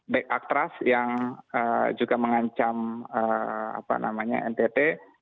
back atras yang juga mengancam ntt